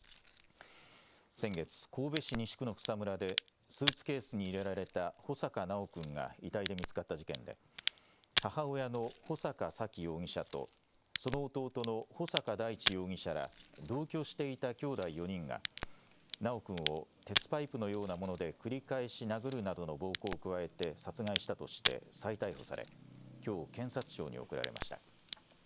先月、神戸市西区の草むらでスーツケースに入れられた穂坂修君が遺体で見つかった事件で母親の穂坂沙喜容疑者とその弟の穂坂大地容疑者ら同居していたきょうだい４人が修君を鉄パイプのようなもので繰り返し殴るなどの暴行を加えて殺害したとしで再逮捕されきょう検察庁に送られました。